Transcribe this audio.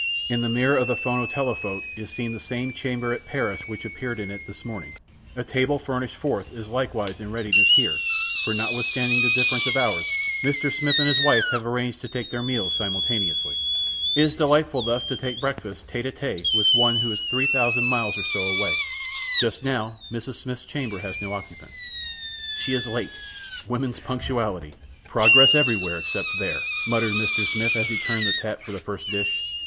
In the mirror of the phonotelephote is seen the same chamber at Paris which appeared in it this morning. A table furnished forth is likewise in readiness here, for notwithstanding the difference of hours, Mr. Smith and his wife have arranged to take their meals simultaneously. It is delightful thus to take breakfast t├¬te ├Ā t├¬te with one who is 3000 miles or so away. Just now, Mrs. Smith's chamber has no occupant. "She is late! Woman's punctuality! Progress everywhere except there!" muttered Mr. Smith as he turned the tap for the first dish.